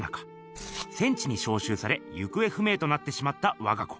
戦地にしょうしゅうされ行方不明となってしまったわが子。